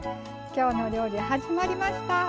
「きょうの料理」始まりました。